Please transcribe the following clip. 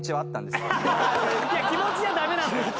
いや気持ちじゃダメなのよ。